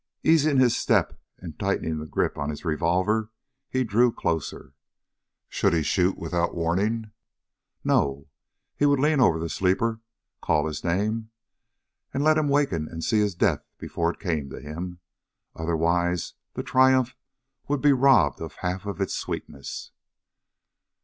Easing his step and tightening the grip on his revolver, he drew closer. Should he shoot without warning? No, he would lean over the sleeper, call his name, and let him waken and see his death before it came to him. Otherwise the triumph would be robbed of half of its sweetness.